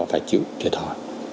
phải chịu trợ thòi